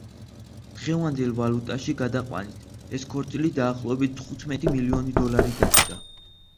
დღევანდელ ვალუტაში გადაყვანით, ეს ქორწილი დაახლოებით თხუთმეტი მილიონი დოლარი დაჯდა.